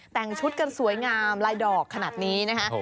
แต่งชุดกันสวยงามลายดอกขนาดนี้นะคะ